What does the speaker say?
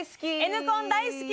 Ｎコン大好き！